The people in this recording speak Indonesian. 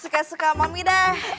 suka suka mami deh